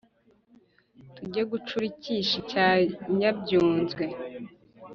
tujye gucura icyishi cya nyabyunzwe.